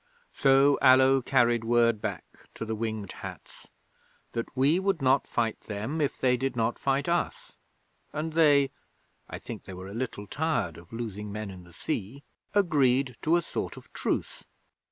'So Allo carried word back to the Winged Hats that we would not fight them if they did not fight us; and they (I think they were a little tired of losing men in the sea) agreed to a sort of truce.